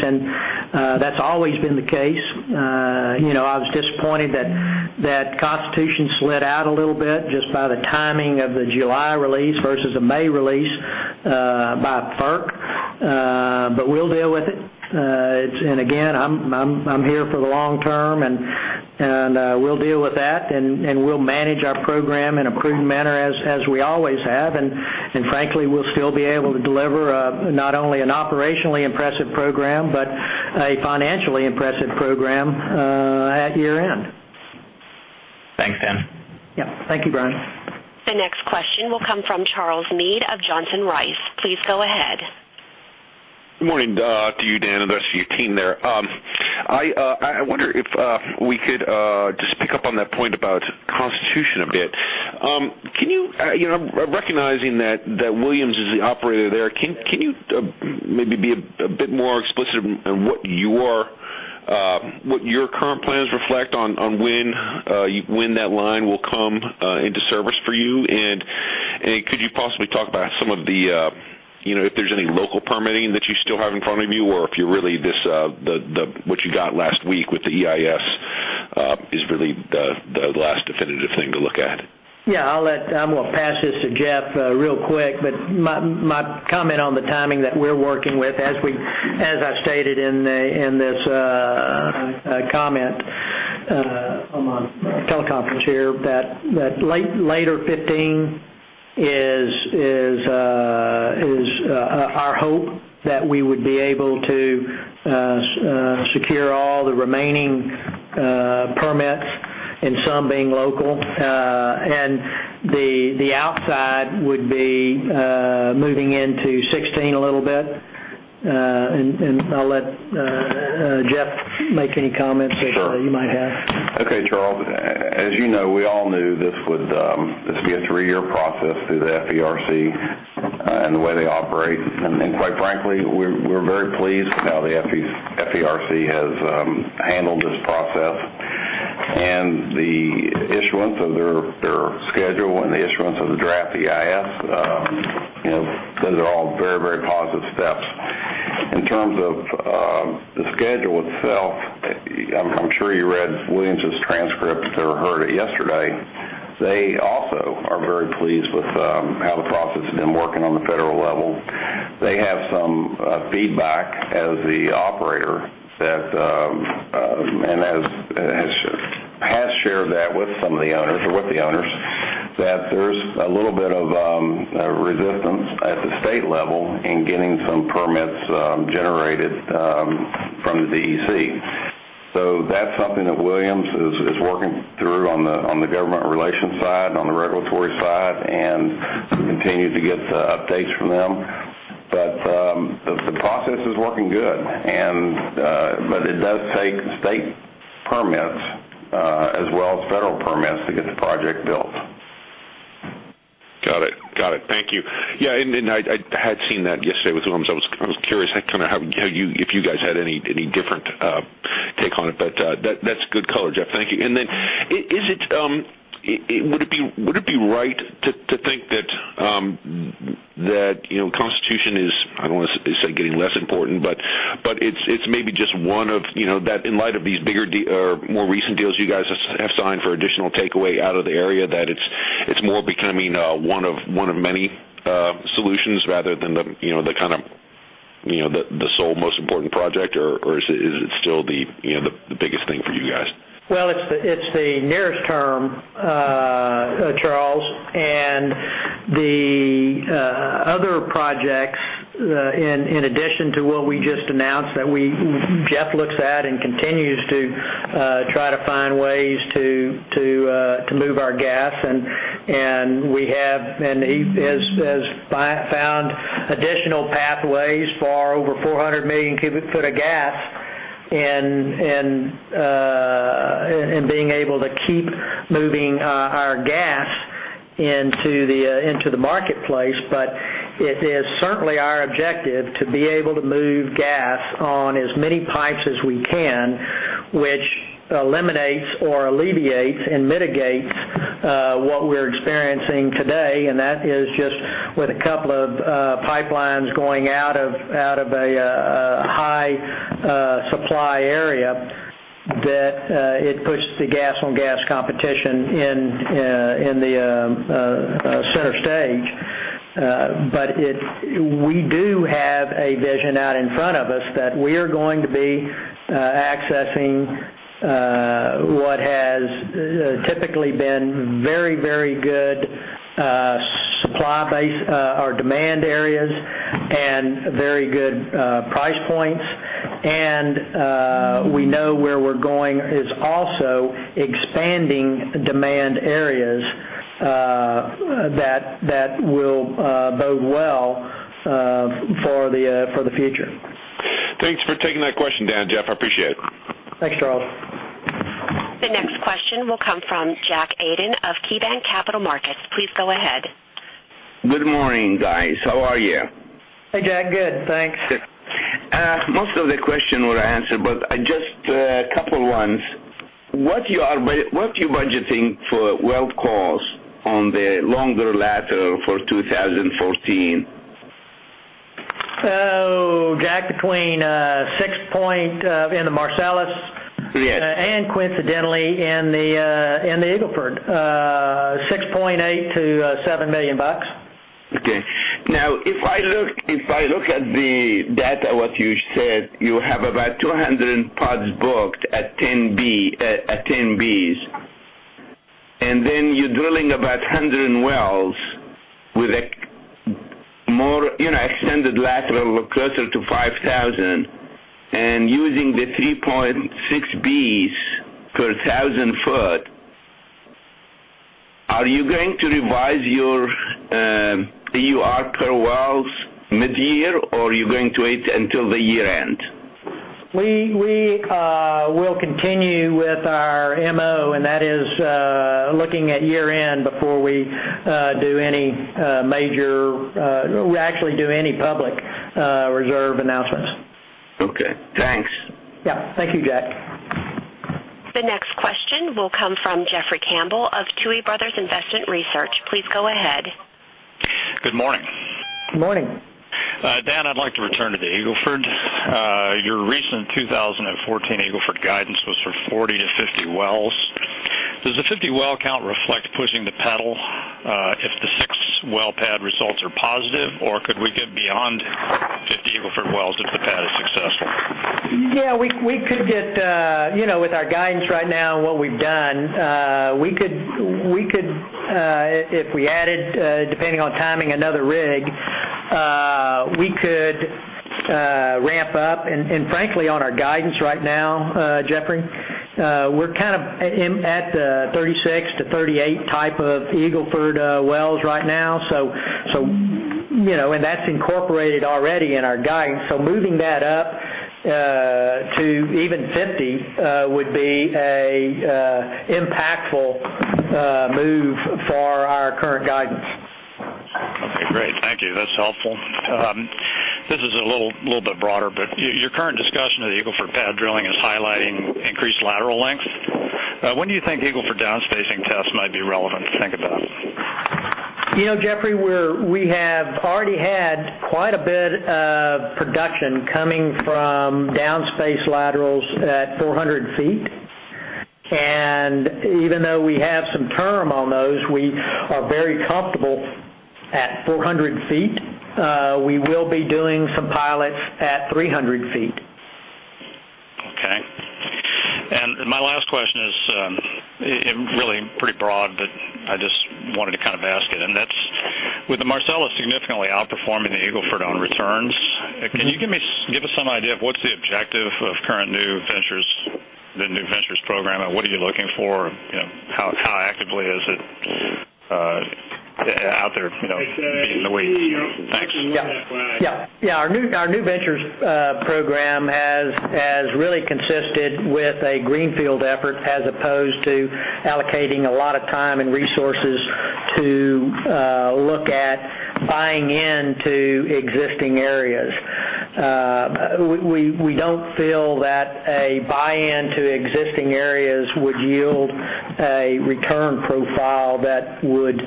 That's always been the case. I was disappointed that Constitution slid out a little bit just by the timing of the July release versus a May release by FERC. We'll deal with it. Again, I'm here for the long term, we'll deal with that, and we'll manage our program in a prudent manner as we always have. Frankly, we'll still be able to deliver not only an operationally impressive program, but a financially impressive program at year-end. Thanks, Dan. Yeah. Thank you, Brian. The next question will come from Charles Meade of Johnson Rice. Please go ahead. Good morning to you, Dan, and the rest of your team there. I wonder if we could just pick up on that point about Constitution a bit. Recognizing that Williams is the operator there, can you maybe be a bit more explicit on what your current plans reflect on when that line will come into service for you? Could you possibly talk about if there's any local permitting that you still have in front of you, or if what you got last week with the EIS is really the last definitive thing to look at? I'm going to pass this to Jeff real quick, but my comment on the timing that we're working with, as I've stated in this comment on my teleconference here, that later 2015 is our hope that we would be able to secure all the remaining permits and some being local. The outside would be moving into 2016 a little bit. I'll let Jeff make any comments that he might have. Sure. Okay, Charles. As you know, we all knew this would be a three-year process through the FERC and the way they operate. Quite frankly, we're very pleased how the FERC has handled this process and the issuance of the draft EIS. Those are all very positive steps. In terms of the schedule itself, I'm sure you read Williams' transcripts or heard it yesterday. They also are very pleased with how the process has been working on the federal level. They have some feedback as the operator, and has shared that with some of the owners, or with the owners, that there's a little bit of resistance at the state level in getting some permits generated from the DEC. That's something that Williams is working through on the government relations side, on the regulatory side, and we continue to get the updates from them. The process is working good, but it does take state permits, as well as federal permits to get the project built. Got it. Thank you. I had seen that yesterday with Williams. I was curious if you guys had any different take on it. That's good color, Jeff. Thank you. Would it be right to think that Constitution is, I don't want to say getting less important, but it's maybe just one of that in light of these more recent deals you guys have signed for additional takeaway out of the area, that it's more becoming one of many solutions rather than the sole most important project, or is it still the biggest thing for you guys? Well, it's the nearest term, Charles, the other projects, in addition to what we just announced, that Jeff looks at and continues to try to find ways to move our gas, and he has found additional pathways for over 400 million cubic foot of gas in being able to keep moving our gas into the marketplace. It is certainly our objective to be able to move gas on as many pipes as we can, which eliminates or alleviates and mitigates what we're experiencing today. That is just with a couple of pipelines going out of a high supply area, that it pushed the gas on gas competition in the center stage. We do have a vision out in front of us that we're going to be accessing what has typically been very good demand areas, and very good price points. We know where we're going is also expanding demand areas that will bode well for the future. Thanks for taking that question Dan, Jeff. I appreciate it. Thanks, Charles. The next question will come from Jack Aydin of KeyBanc Capital Markets. Please go ahead. Good morning, guys. How are you? Hey, Jack. Good, thanks. Good. Most of the questions were answered, but just a couple ones. What are you budgeting for well costs on the longer lateral for 2014? Jack, between 6.8 in the Marcellus- Yes coincidentally, in the Eagle Ford. $6.8 million-$7 million. Okay. Now, if I look at the data, what you said, you have about 200 pads booked at 10 Bcf. You're drilling about 100 wells with extended lateral closer to 5,000 and using the 3.6 Bcf per 1,000 foot. Are you going to revise your EUR per wells mid-year, or are you going to wait until the year-end? We will continue with our MO, and that is looking at year-end before we actually do any public reserve announcements. Okay, thanks. Yeah. Thank you, Jack. The next question will come from Jeffrey Campbell of Tuohy Brothers Investment Research. Please go ahead. Good morning. Good morning. Dan, I'd like to return to the Eagle Ford. Your recent 2014 Eagle Ford guidance was for 40-50 wells. Does the 50 well count reflect pushing the pedal if the six-well pad results are positive, or could we get beyond 50 Eagle Ford wells if the pad is successful? Yeah, with our guidance right now and what we've done, if we added, depending on timing, another rig, we could ramp up. Frankly, on our guidance right now, Jeffrey, we're at the 36 to 38 type of Eagle Ford wells right now, and that's incorporated already in our guidance. Moving that up to even 50 would be a impactful move for our current guidance. Great. Thank you. That's helpful. This is a little bit broader, your current discussion of the Eagle Ford pad drilling is highlighting increased lateral length. When do you think Eagle Ford downspacing tests might be relevant to think about? Jeffrey, we have already had quite a bit of production coming from downspace laterals at 400 feet, even though we have some term on those, we are very comfortable at 400 feet. We will be doing some pilots at 300 feet. Okay. My last question is really pretty broad, I just wanted to ask it, that's, with the Marcellus significantly outperforming the Eagle Ford on returns, can you give us some idea of what's the objective of the current new ventures program, what are you looking for? How actively is it out there being in the weeds? Yeah. Our new ventures program has really consisted with a greenfield effort as opposed to allocating a lot of time and resources to look at buying into existing areas. We don't feel that a buy-in to existing areas would yield a return profile that would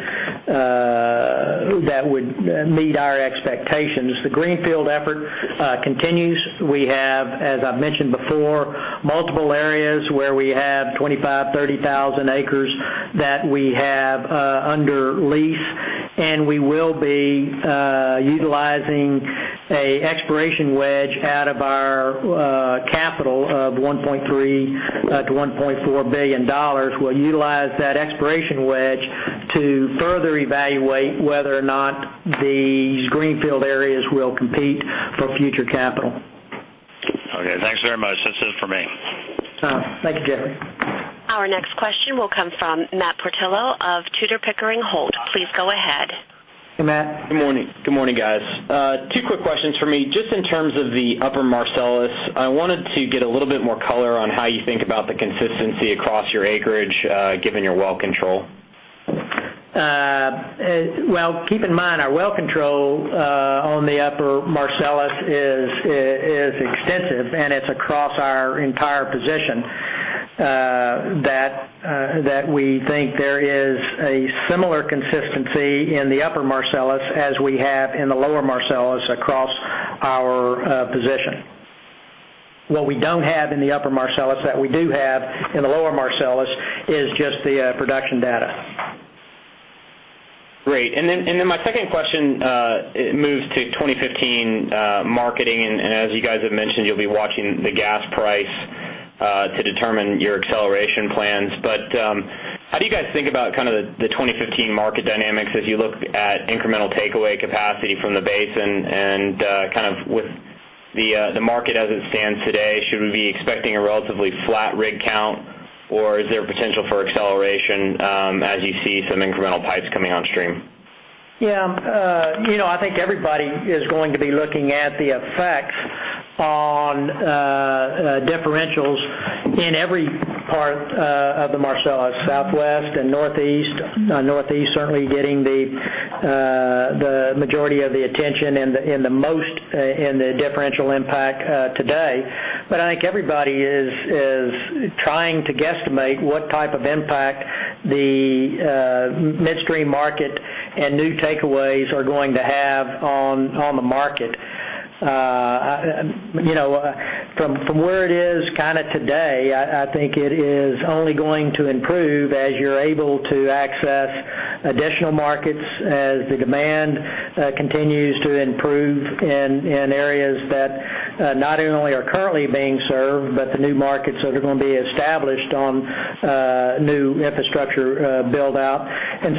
meet our expectations. The greenfield effort continues. We have, as I've mentioned before, multiple areas where we have 25,000, 30,000 acres that we have under lease, and we will be utilizing a exploration wedge out of our capital of $1.3 billion-$1.4 billion. We'll utilize that exploration wedge to further evaluate whether or not these greenfield areas will compete for future capital. Okay. Thanks very much. That's it for me. Thank you, Jeffrey. Our next question will come from Matt Portillo of Tudor, Pickering, Holt. Please go ahead. Hey, Matt. Good morning, guys. Two quick questions for me. Just in terms of the Upper Marcellus, I wanted to get a little bit more color on how you think about the consistency across your acreage given your well control. Well, keep in mind, our well control on the Upper Marcellus is extensive, and it's across our entire position that we think there is a similar consistency in the Upper Marcellus as we have in the Lower Marcellus across our position. What we don't have in the Upper Marcellus that we do have in the Lower Marcellus is just the production data. Great. My second question moves to 2015 marketing, as you guys have mentioned, you'll be watching the gas price to determine your acceleration plans. How do you guys think about the 2015 market dynamics as you look at incremental takeaway capacity from the basin and with the market as it stands today? Should we be expecting a relatively flat rig count, or is there potential for acceleration as you see some incremental pipes coming on stream? Yeah. I think everybody is going to be looking at the effects on differentials in every part of the Marcellus, southwest and northeast. Northeast certainly getting the majority of the attention and the most in the differential impact today. I think everybody is trying to guesstimate what type of impact the midstream market and new takeaways are going to have on the market. From where it is today, I think it is only going to improve as you're able to access additional markets, as the demand continues to improve in areas that not only are currently being served, but the new markets that are going to be established on new infrastructure build-out.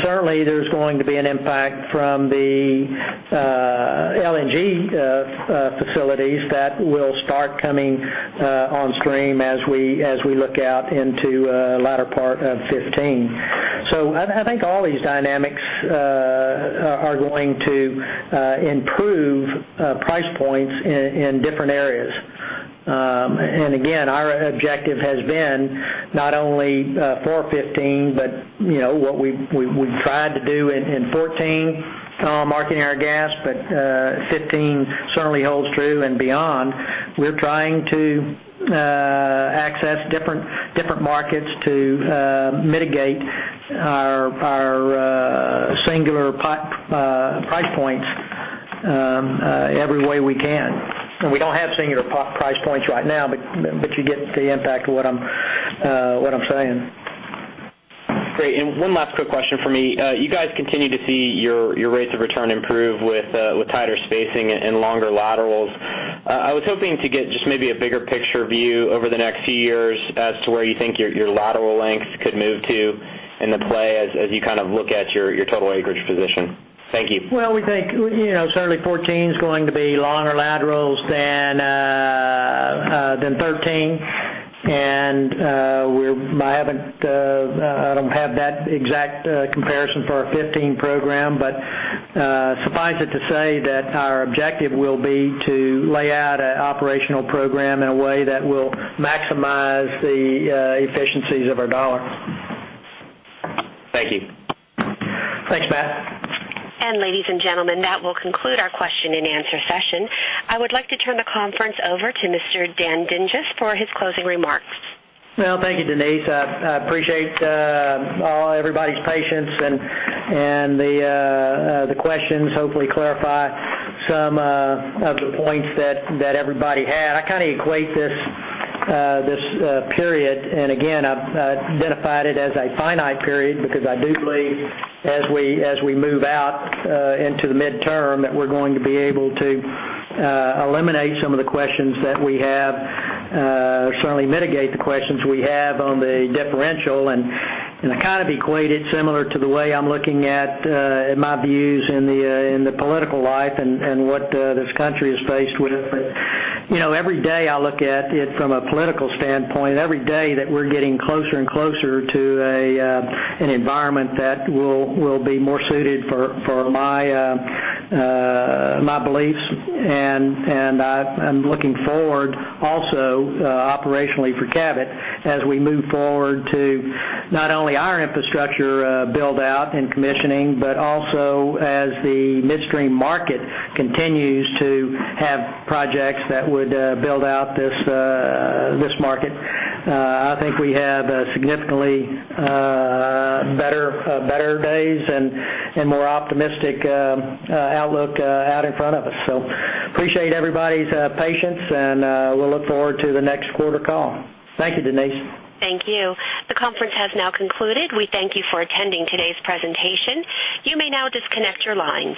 Certainly, there's going to be an impact from the LNG facilities that will start coming on stream as we look out into the latter part of 2015. I think all these dynamics are going to improve price points in different areas. Again, our objective has been not only for 2015, but what we've tried to do in 2014, marketing our gas, but 2015 certainly holds true and beyond. We're trying to access different markets to mitigate our singular price points every way we can. We don't have singular price points right now, but you get the impact of what I'm saying. Great. One last quick question from me. You guys continue to see your rates of return improve with tighter spacing and longer laterals. I was hoping to get just maybe a bigger picture view over the next few years as to where you think your lateral lengths could move to in the play as you look at your total acreage position. Thank you. Well, we think certainly 2014's going to be longer laterals than 2013, and I don't have that exact comparison for our 2015 program. Suffice it to say that our objective will be to lay out an operational program in a way that will maximize the efficiencies of our dollar. Thank you. Thanks, Matt. Ladies and gentlemen, that will conclude our question and answer session. I would like to turn the conference over to Mr. Dan Dinges for his closing remarks. Well, thank you, Denise. I appreciate everybody's patience and the questions hopefully clarify some of the points that everybody had. I kind of equate this period, and again, I've identified it as a finite period because I do believe as we move out into the midterm, that we're going to be able to eliminate some of the questions that we have, certainly mitigate the questions we have on the differential, and I kind of equate it similar to the way I'm looking at my views in the political life and what this country is faced with. Every day I look at it from a political standpoint, every day that we're getting closer and closer to an environment that will be more suited for my beliefs. I'm looking forward also operationally for Cabot as we move forward to not only our infrastructure build-out and commissioning, but also as the midstream market continues to have projects that would build out this market. I think we have significantly better days and more optimistic outlook out in front of us. Appreciate everybody's patience, and we'll look forward to the next quarter call. Thank you, Denise. Thank you. The conference has now concluded. We thank you for attending today's presentation. You may now disconnect your lines.